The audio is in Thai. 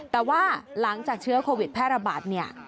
แต่ว่าหลังจากเชื้อโควิดแพร่ระบาดเนี่ย